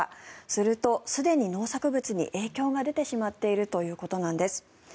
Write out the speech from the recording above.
すると、すでに農作物に影響が出てしまっているということなんです。